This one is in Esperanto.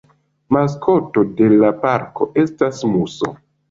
Maskoto de la parko estas muso.